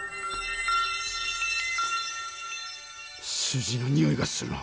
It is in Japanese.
数字のにおいがするな。